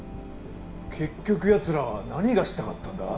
結局ヤツらは何がしたかったんだ？